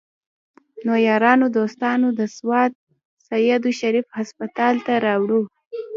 نو يارانو دوستانو د سوات سيدو شريف هسپتال ته راوړو